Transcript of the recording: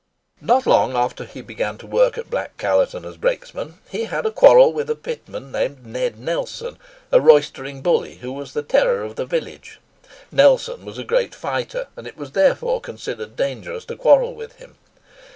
Not long after he began to work at Black Callerton as brakesman, he had a quarrel with a pitman named Ned Nelson, a roistering bully, who was the terror of the village. Nelson was a great fighter; and it was therefore considered dangerous to quarrel with him.